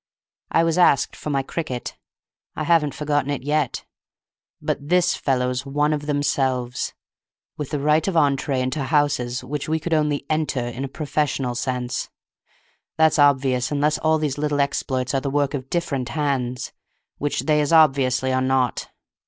I was asked for my cricket. I haven't forgotten it yet. But this fellow's one of themselves, with the right of entrée into the houses which we could only 'enter' in a professional sense. That's obvious unless all these little exploits are the work of different hands, which they as obviously are not.